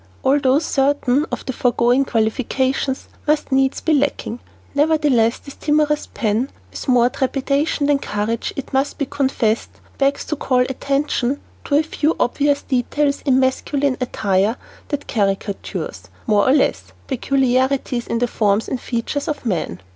Although certain of the foregoing qualifications must needs be lacking, nevertheless this timorous pen, with more trepidation than courage it must be confessed, begs to call attention to a few obvious details in masculine attire that caricature, more or less, peculiarities in the forms and features of men.